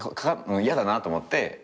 やだなと思って。